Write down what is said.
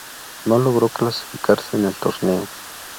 No logró clasificarse en el torneo.